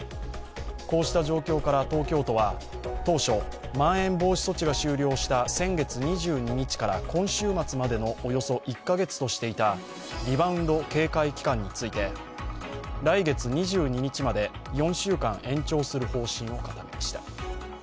こうした状況から、東京都は当初まん延防止措置が終了した先月２２日から今週末までのおよそ１カ月としていたリバウンド警戒期間について来月２２日まで４週間延長する方針を固めました。